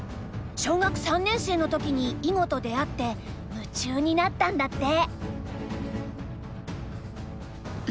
小学３年生の時に囲碁と出会って夢中になったんだって。